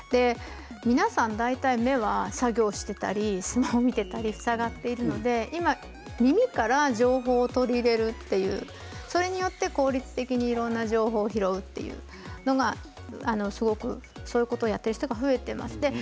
皆さん大体、目は作業していたりスマホを見ていた塞がっているので今、耳から情報を取り入れるというそれによって効率的にいろんな情報を拾うというのがすごくそういうことをやってる人が増えています。